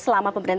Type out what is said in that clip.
kalau kita lihat